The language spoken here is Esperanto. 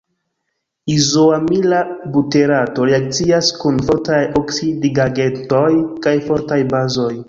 Izoamila buterato reakcias kun fortaj oksidigagentoj kaj fortaj bazoj.